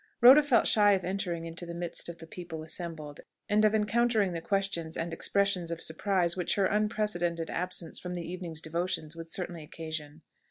Rhoda felt shy of entering into the midst of the people assembled, and of encountering the questions and expressions of surprise which her unprecedented absence from the evening's devotions would certainly occasion.